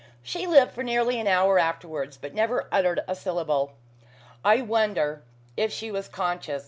She lived for nearly an hour afterwards, but never uttered a syllable. I wonder if she was conscious.